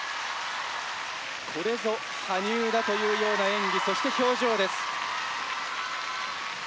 これぞ羽生だというような演技そして表情です。